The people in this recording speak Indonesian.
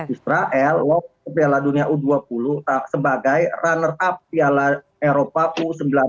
israel waktu piala dunia u dua puluh sebagai runner up piala eropa u sembilan belas